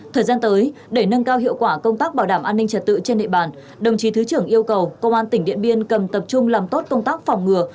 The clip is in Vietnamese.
thời gian tới để nâng cao hiệu quả công tác bảo đảm an ninh trật tự trên địa bàn đồng chí thứ trưởng yêu cầu công an tỉnh điện biên cần tập trung làm tốt công tác phòng ngừa